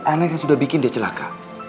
anehnya sudah bikin dia celaka